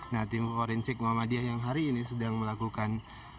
nah tim forensik muhammadiyah yang hari ini sedang melakukan